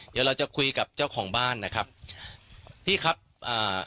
เดี๋ยวเราจะคุยกับเจ้าของบ้านนะครับพี่ครับอ่า